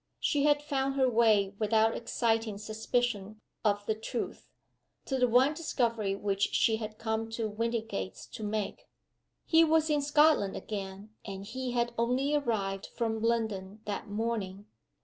She had found her way without exciting suspicion of the truth, to the one discovery which she had come to Windygates to make. He was in Scotland again, and he had only arrived from London that morning.